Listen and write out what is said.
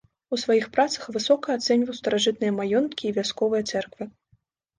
У сваіх працах высока ацэньваў старажытныя маёнткі і вясковыя цэрквы.